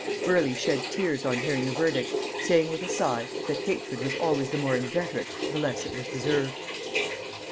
Burleigh shed tears on hearing the verdict, saying with a sigh, that hatred was always the more inveterate the less it was deserved.